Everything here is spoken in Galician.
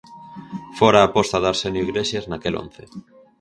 Fora a aposta de Arsenio Iglesias naquel once.